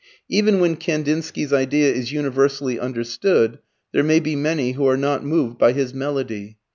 Even when Kandinsky's idea is universally understood there may be many who are not moved by his melody.